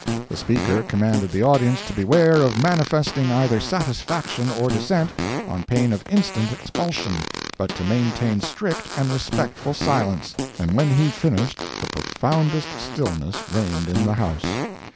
The Speaker commanded the audience to beware of manifesting either satisfaction or dissent, on pain of instant expulsion, but to maintain strict and respectful silence—and when he finished, the profoundest stillness reigned in the House.